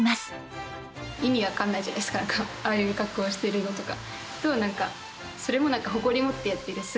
ああいう格好してるのとか。